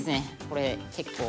これ結構」